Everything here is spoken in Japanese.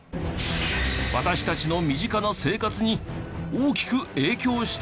私たちの身近な生活に大きく影響しているんです。